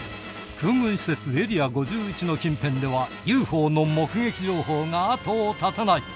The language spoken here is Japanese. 空軍施設エリア５１の近辺ではＵＦＯの目撃情報が後を絶たない。